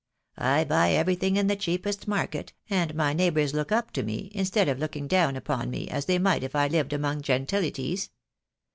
I buy everything in the cheapest market, and my neigh bours look up to me, instead of looking down upon me, as they might if I lived among gentilities.